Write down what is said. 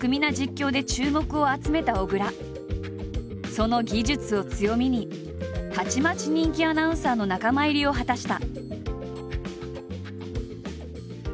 その技術を強みにたちまち人気アナウンサーの仲間入りを果たした。